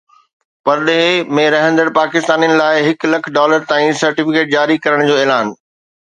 پرڏيهه ۾ رهندڙ پاڪستانين لاءِ هڪ لک ڊالرن تائين سرٽيفڪيٽ جاري ڪرڻ جو اعلان